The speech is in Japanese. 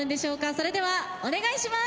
それではお願いします。